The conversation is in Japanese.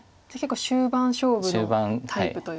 じゃあ結構終盤勝負のタイプと。